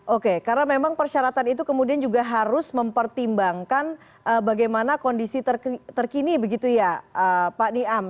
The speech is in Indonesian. oke karena memang persyaratan itu kemudian juga harus mempertimbangkan bagaimana kondisi terkini begitu ya pak niam